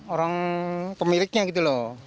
orang pemiliknya gitu loh